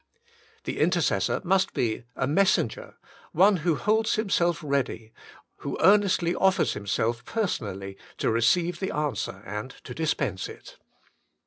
The intercessor must be a Messenger — one who holds himself ready, who earnestly offers him self personally to receive the answer and to dis pense it.